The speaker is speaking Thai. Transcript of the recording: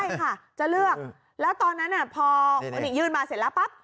ใช่ค่ะจะเลือกแล้วตอนนั้นพอยื่นมาเสร็จแล้วปั๊บ